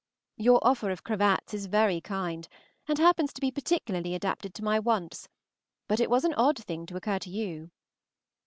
Your offer of cravats is very kind, and happens to be particularly adapted to my wants, but it was an odd thing to occur to you.